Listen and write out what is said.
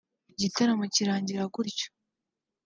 igitaramo kirangira gutyo